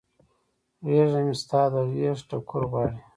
غیږه مې ستا د غیږ ټکور غواړي